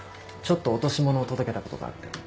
ちょっと落とし物を届けたことがあって。